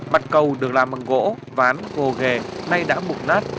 mặt cầu được làm bằng gỗ ván gồ ghề nay đã mụn nát